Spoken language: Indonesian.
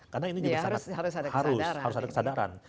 karena ini harus ada kesadaran